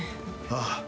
ああ。